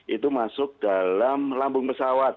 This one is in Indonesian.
itu masuk dalam lambung pesawat